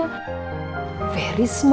aduh pinter sekali si cucu oma